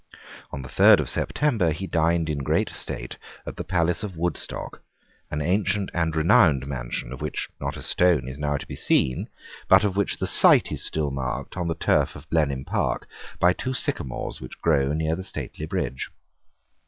On the third of September he dined in great state at the palace of Woodstock, an ancient and renowned mansion, of which not a stone is now to be seen, but of which the site is still marked on the turf of Blenheim Park by two sycamores which grow near the stately bridge.